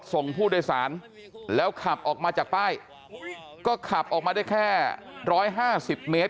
ส่งผู้โดยสารแล้วขับออกมาจากป้ายก็ขับออกมาได้แค่๑๕๐เมตร